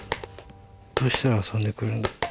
どうしたら遊んでくれるんだ？